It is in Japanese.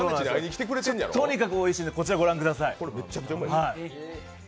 とにかくおいしいので、こちらご覧ください。